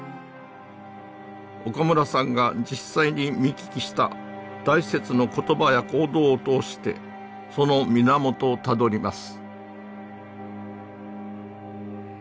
岡村さんが実際に見聞きした大拙の言葉や行動を通してその源をたどります